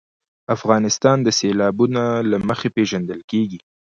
افغانستان د سیلابونه له مخې پېژندل کېږي.